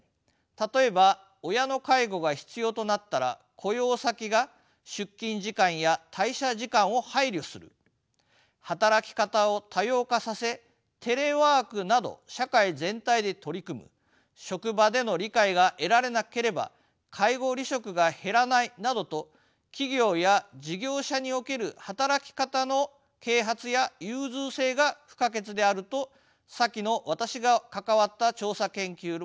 例えば親の介護が必要となったら雇用先が出勤時間や退社時間を配慮する働き方を多様化させテレワークなど社会全体で取り組む職場での理解が得られなければ介護離職が減らないなどと企業や事業所における働き方の啓発や融通性が不可欠であると先の私が関わった調査研究でも明らかになっています。